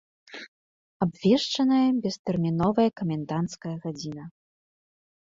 Абвешчаная бестэрміновая каменданцкая гадзіна.